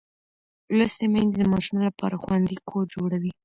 لوستې میندې د ماشوم لپاره خوندي کور جوړوي.